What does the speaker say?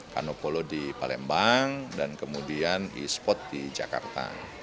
kanopolo di palembang dan kemudian e sport di jakarta